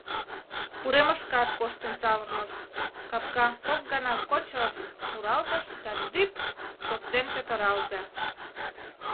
Уремышкат коштын савырныш — капка кок гана кочыр-р муралтыш да дӱп! шоктен петыралте.